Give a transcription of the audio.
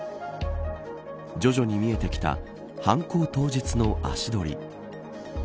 徐々に見えてきた犯行当日の足取り。